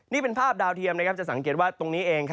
นี่เป็นภาพดาวเทียมจะสังเกตว่าตรงนี้เอง